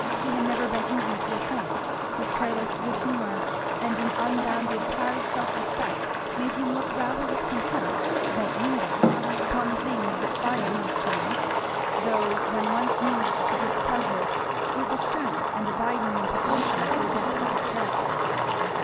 He had never been easy to offend; his careless good humour and an unbounded proud self respect made him look rather with contempt than anger upon the things that fire most men; though when once moved to displeasure it was stern and abiding in proportion to the depth of his character.